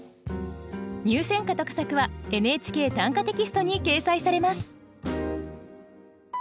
入選歌と佳作は「ＮＨＫ短歌」テキストに掲載されます